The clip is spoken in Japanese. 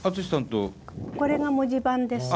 これが文字盤です。